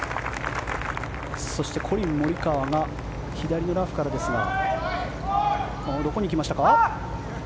そしてコリン・モリカワが左のラフからですがどこに行きましたか？